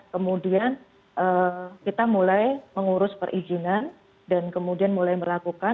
kemudian kita mulai mengurus perizinan dan kemudian mulai melakukan